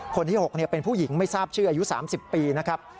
คนที่๖เป็นผู้หญิงไม่ทราบชื่ออายุ๓๐ปีนะครับ